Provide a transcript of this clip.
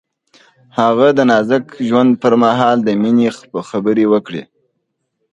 هغه د نازک ژوند پر مهال د مینې خبرې وکړې.